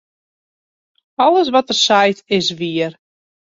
Alles wat er seit, is wier.